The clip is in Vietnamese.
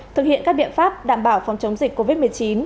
thực hiện các biện pháp đảm bảo phòng chống dịch covid một mươi chín